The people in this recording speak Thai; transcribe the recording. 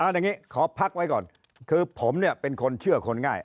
อย่างนี้ขอพักไว้ก่อนคือผมเนี่ยเป็นคนเชื่อคนง่าย